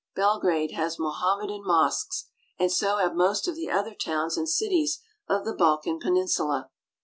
Belgrade has Mohammedan mosques, and so have most of the other towns and cities of the Balkan peninsula.